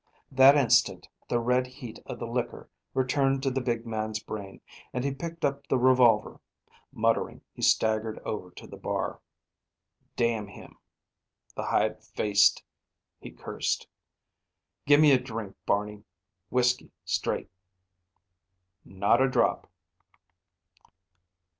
That instant the red heat of the liquor returned to the big man's brain and he picked up the revolver. Muttering, he staggered over to the bar. "D n him the hide faced " he cursed. "Gimme a drink, Barney. Whiskey, straight." "Not a drop."